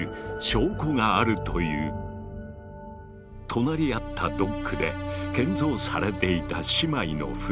隣り合ったドックで建造されていた姉妹の船。